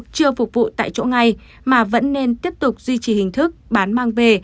chưa phục vụ tại chỗ ngay mà vẫn nên tiếp tục duy trì hình thức bán mang về